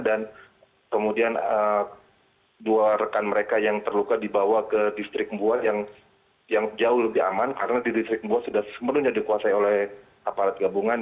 dan kemudian dua rekan mereka yang terluka dibawa ke distrik mbuah yang jauh lebih aman karena di distrik mbuah sudah semuanya dikuasai oleh aparat gabungan